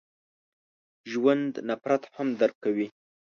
ژوندي نفرت هم درک کوي